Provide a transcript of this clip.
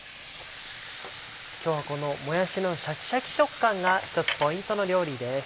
今日はこのもやしのシャキシャキ食感が一つポイントの料理です。